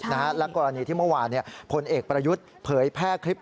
และกรณีที่เมื่อวานพลเอกประยุทธ์เผยแพร่คลิป